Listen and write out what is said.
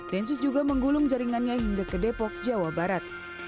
densus juga menggulung jaringannya hingga ke depok jawa barat